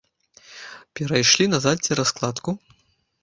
Перайшлі назад цераз кладку.